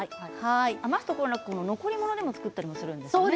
余すところなく残り物でも作ったりするんですね。